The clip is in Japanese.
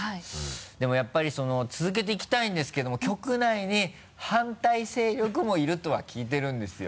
でもやっぱり続けていきたいんですけども局内に反対勢力もいるとは聞いてるんですよ。